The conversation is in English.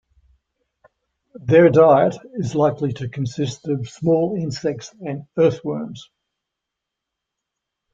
Their diet is likely to consist of small insects and earthworms.